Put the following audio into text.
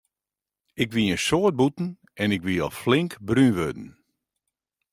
Ik wie in soad bûten en ik wie al flink brún wurden.